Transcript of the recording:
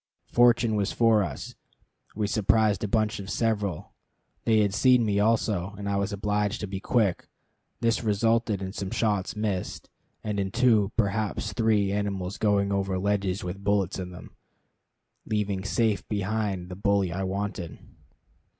Fortune was for us. We surprised a bunch of several. They had seen me also, and I was obliged to be quick. This resulted in some shots missing, and in two, perhaps three, animals going over ledges with bullets in them, leaving safe behind the billy I wanted.